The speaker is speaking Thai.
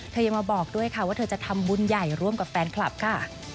ยังมาบอกด้วยค่ะว่าเธอจะทำบุญใหญ่ร่วมกับแฟนคลับค่ะ